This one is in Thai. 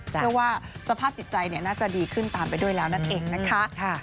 เชื่อว่าสภาพจิตใจน่าจะดีขึ้นตามไปด้วยแล้วนั่นเองนะคะ